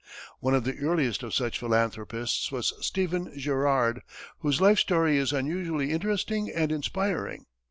One of the earliest of such philanthropists was Stephen Girard, whose life story is unusually interesting and inspiring.